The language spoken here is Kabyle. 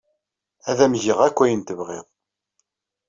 Ad am-geɣ akk ayen tebɣiḍ.